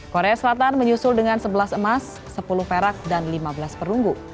korea selatan menyusul dengan sebelas emas sepuluh perak dan lima belas perunggu